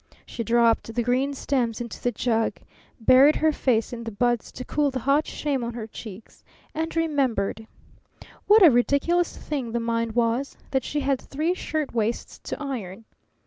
She dropped the green stems into the jug, buried her face in the buds to cool the hot shame on her cheeks, and remembered what a ridiculous thing the mind was! that she had three shirt waists to iron.